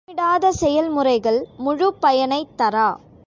திட்டமிடாத செயல்முறைகள் முழுப் பயனைத் தரா.